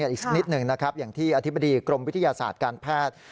อีกสักนิดหนึ่งนะครับอย่างที่อธิบดีกรมวิทยาศาสตร์การแพทย์